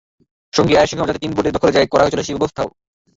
সঙ্গে আয়ের সিংহভাগও যাতে তিন বোর্ডের দখলে যায়, করা হয়েছিল সেই ব্যবস্থাও।